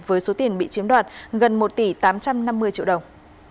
với số tiền bị chiếm đoạt gần một tỷ tám trăm năm mươi triệu đồng